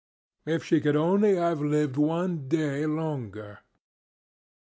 ŌĆØ If she could only have lived one day longer!